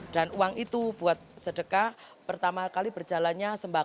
dan uang itu buat sedekah pertama kali berjalannya sembahku